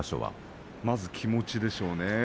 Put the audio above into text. まず気持ちでしょうね。